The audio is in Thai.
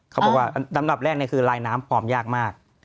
เขาบอกว่าลำดับแรกคือลายน้ำปลอมยากมาก